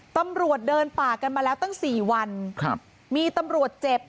ตำรวจเดินป่ากันมาแล้วตั้งสี่วันครับมีตำรวจเจ็บ